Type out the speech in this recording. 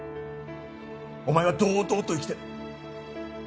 お前は堂々と生きてる。